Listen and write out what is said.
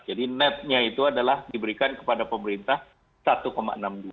jadi netnya itu adalah diberikan kepada pemerintah satu enam juta